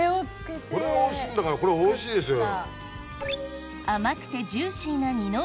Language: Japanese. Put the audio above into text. これがおいしいんだからこれおいしいでしょうよ。